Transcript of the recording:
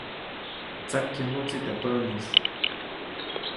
Tsakyajuʼtsi teʼ päʼnis.